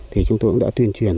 thì chúng tôi cũng đã tuyên truyền